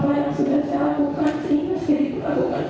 apa yang sudah saya lakukan sehingga sekarang